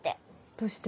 どうして？